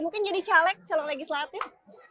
mungkin jadi caleg calon legislatif